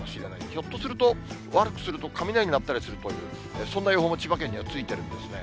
ひょっとすると、悪くすると雷鳴ったりするかもしれない、そんな予報も千葉県にはついてるんですね。